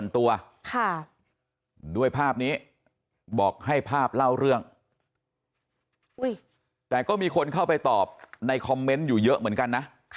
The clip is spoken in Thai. แต่ก็มีคนเข้าไปตอบในคอมเมนต์อยู่เยอะเหมือนกันนะ